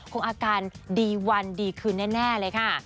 อาการดีวันดีคืนแน่เลยค่ะ